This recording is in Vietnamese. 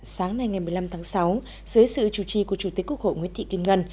sáng nay ngày một mươi năm tháng sáu dưới sự chủ trì của chủ tịch quốc hội nguyễn thị kim ngân